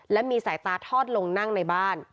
และมีสายตาทอดลงนั่งในบ้าน